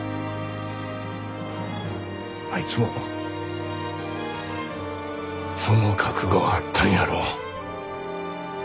あいつもその覚悟はあったんやろ。